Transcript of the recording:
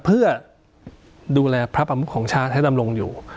เพื่อดูแลพระประมุขของชาติให้ดำรงอยู่